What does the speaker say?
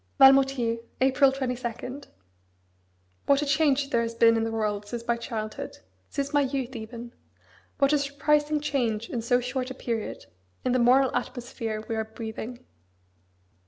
VALMOUTIERS, April 22. What a change there has been in the world since my childhood: since my youth even! what a surprising change in so short a period, in the moral atmosphere we are breathing!